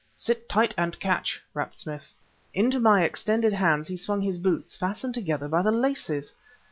"Sit tight, and catch!" rapped Smith. Into my extended hands he swung his boots, fastened together by the laces!